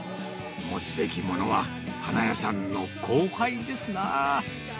持つべきものは、花屋さんの後輩ですなぁ。